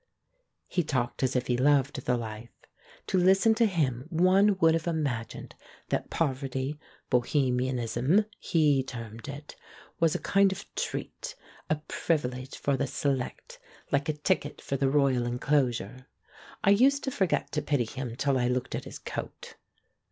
He talked as if he loved the life. To listen to him one would have imag ined that poverty — "bohemianism" he termed it — was a kind of treat — a privilege for the Select, hke a ticket for the Royal Enclosure. I used to forget to pity him till I looked at his coat.